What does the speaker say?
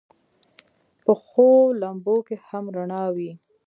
پخو لمبو کې هم رڼا وي